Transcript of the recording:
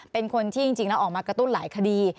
เป็นคนที่จริงแล้วออกมากระตุ้นหลายคดี